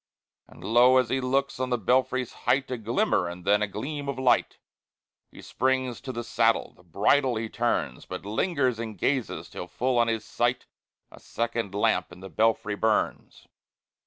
And lo! as he looks, on the belfry's height A glimmer, and then a gleam of light! He springs to the saddle, the bridle he turns, But lingers and gazes, till full on his sight A second lamp in the belfry burns!